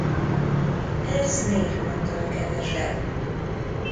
Ez négy ponttal kevesebb.